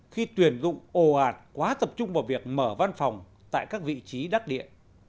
khi tuyển dụng ồ ạt quá tập trung vào việc mở văn phòng tại các vị trí đắc địa